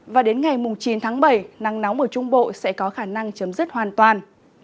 và đến ngày chín tháng bảy nắng nóng ở trung bộ sẽ có khả năng chấm dứt hoàn toàn